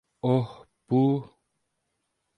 Oh, bu…